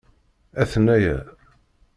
Aten-aya!